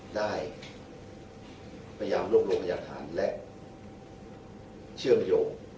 ได้พยายามร่วมรวมประหยัดฐานและเชื่อมโยค